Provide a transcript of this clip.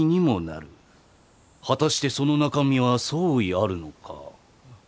果たしてその中身は相違あるのか？